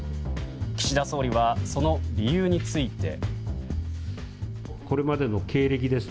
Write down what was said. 岸田総理はその理由について。